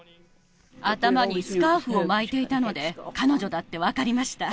頭にスカーフを巻いていたので、彼女だって分かりました。